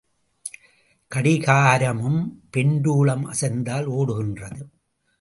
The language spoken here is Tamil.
கடிகாரமும் பெண்டுலம் அசைந்தால் ஓடுகின்றது.